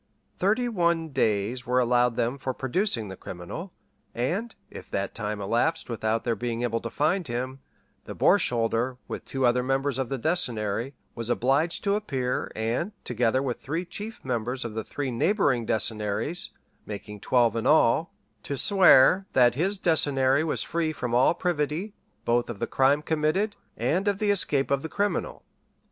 Thirty one days were allowed them for producing the criminal; and if that time elapsed without their being able to find him, the borsholder, with two other members of the decennary, was obliged to appear, and, together with three chief members of the three neighboring decennaries, (making twelve in all,) to swear that his decennary was free from all privity, both of the crime committed, and of the escape of the criminal.